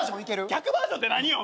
逆バージョンって何よ。